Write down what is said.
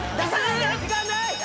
時間ない！